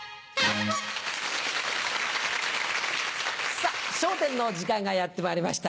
さぁ『笑点』の時間がやってまいりました。